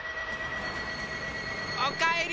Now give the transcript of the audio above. おかえり！